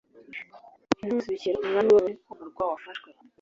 intumwa zibikira umwami w’ibabuloni ko umurwa wafashwe